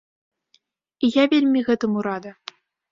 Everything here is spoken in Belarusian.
І я вельмі гэтаму рада.